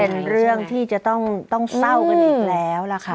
เป็นเรื่องที่จะต้องเศร้ากันอีกแล้วล่ะค่ะ